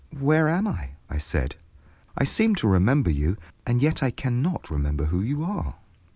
"Where am I?" I said. "I seem to remember you, and yet I can not remember who you are."